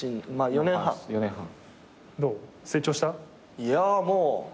いやぁもう。